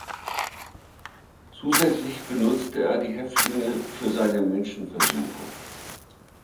Zusätzlich benutzte er die Häftlinge für seine Menschenversuche.